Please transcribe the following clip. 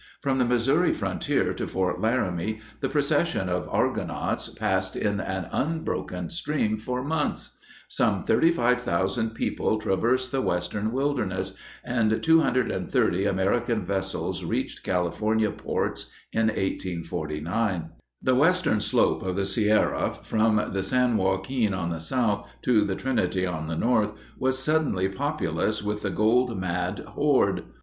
From the Missouri frontier to Fort Laramie the procession of Argonauts passed in an unbroken stream for months. Some 35,000 people traversed the Western wilderness and 230 American vessels reached California ports in 1849. The western slope of the Sierra from the San Joaquin on the south to the Trinity on the north was suddenly populous with the gold mad horde.